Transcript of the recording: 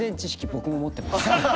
僕も持ってます。